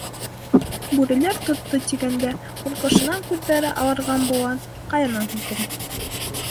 Бүреләр тотто, тигәндә, ҡурҡышынан күҙҙәре аларған болан... ҡаянан һикерә.